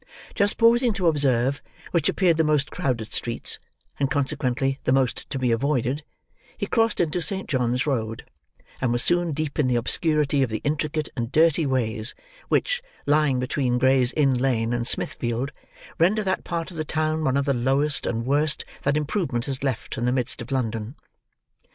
Just pausing to observe which appeared the most crowded streets, and consequently the most to be avoided, he crossed into Saint John's Road, and was soon deep in the obscurity of the intricate and dirty ways, which, lying between Gray's Inn Lane and Smithfield, render that part of the town one of the lowest and worst that improvement has left in the midst of London.